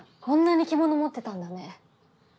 こんなに着物持ってたんだね。